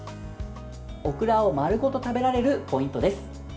オクラを丸ごと食べられるポイントです。